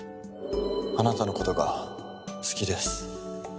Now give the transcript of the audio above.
あなたのことが好きです